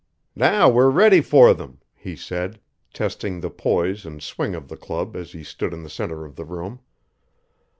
"Now we're ready for them," he said, testing the poise and swing of the club as he stood in the center of the room.